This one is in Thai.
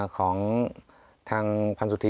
ของทางพันสุธี